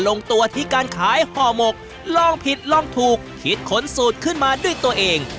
ลงตัวที่การขายห่อหมกลองผิดลองถูกคิดขนสูตรขึ้นมาด้วยตัวเอง